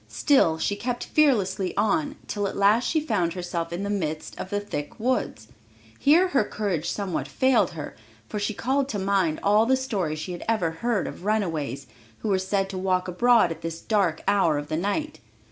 Still she kept fearlessly on, till at last she found herself in the midst of the thick woods. Here her courage somewhat failed her, for she called to mind all the stories she had ever heard of runaways, who were said to walk abroad at this dark hour of the night.